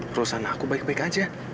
perusahaan aku baik baik aja